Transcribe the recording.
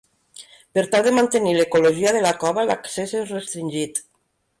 Per tal de mantenir l'ecologia de la cova, l'accés és restringit.